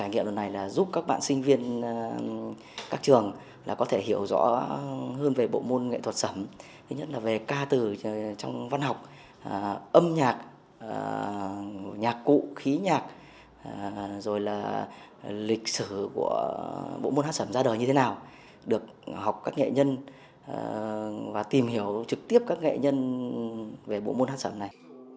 học các nghệ nhân và tìm hiểu trực tiếp các nghệ nhân về bộ môn hát sẩm này